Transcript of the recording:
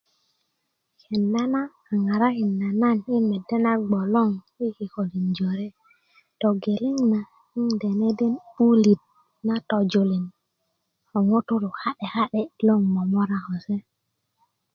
kenda na a ŋarakinda nan i medabna bgoloŋ i kikölin jore togeleŋ na 'n deneden 'bulit na tojulin ko ŋutulu ka'de ka'de loŋ yi momora ko se